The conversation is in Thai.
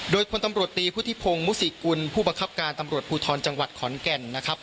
โดยพลตำรวจตีพุทธิพงศ์มุสิกุลผู้บังคับการตำรวจภูทรจังหวัดขอนแก่นนะครับ